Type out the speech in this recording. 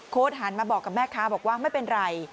หันมาบอกกับแม่ค้าบอกว่าไม่เป็นไร